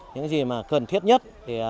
những gì mà cần thiết nhất